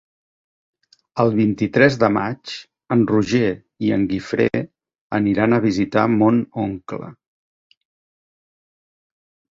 El vint-i-tres de maig en Roger i en Guifré aniran a visitar mon oncle.